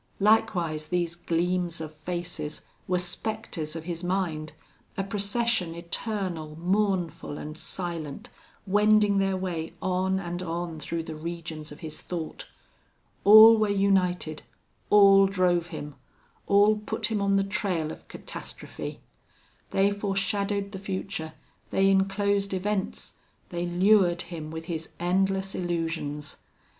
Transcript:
Likewise, these gleams of faces were specters of his mind, a procession eternal, mournful, and silent, wending their way on and on through the regions of his thought. All were united, all drove him, all put him on the trail of catastrophe. They foreshadowed the future, they inclosed events, they lured him with his endless illusions.